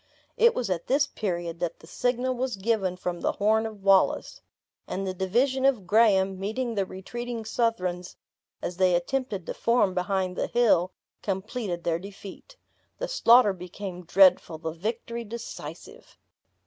It was at this period, that the signal was given from the horn of Wallace; and the division of Graham, meeting the retreating Southrons as they attempted to form behind the hill, completed their defeat. The slaughter became dreadful, the victory decisive.